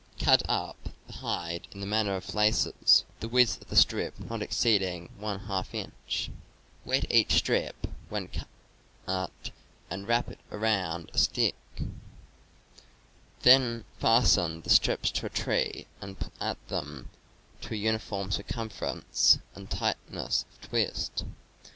Cut up the hide in the manner of laces, the width of the strip not exceed ing one half inch; wet each strip, when cut, and wrap it around a stick; then fasten the strips to a tree and plait them to a uniform circumference and tightness of twist.